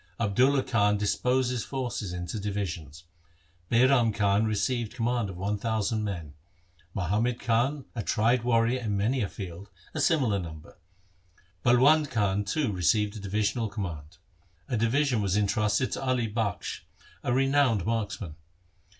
Abdulla Khan disposed his forces into divisions. Bairam Khan received command of one thousand men ; Muhammad Khan a tried warrior in many a field, a similar number ; Balwand Khan too received a divisional command. A division was entrusted to Ali Bakhsh, a renowned marksman.